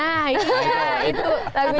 nah itu tak tahan lagi